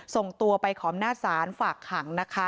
ส่งตัวไปขอบหน้าศาลฝากขังนะคะ